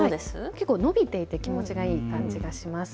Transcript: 結構伸びていて気持ちいい感じがします。